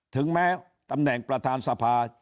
ถึงแม้ตำแหน่งประธานสภา